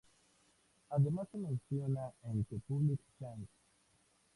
Además se menciona en "The Public Chance.